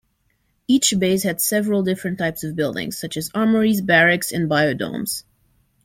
Each base had several different types of buildings, such as armories, barracks, and bio-domes.